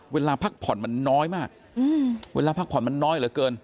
เวลาพักผ่อนมันน้อยมากเวลาพักผ่อนมันน้อยเหลือเกิน